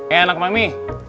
eh anak mami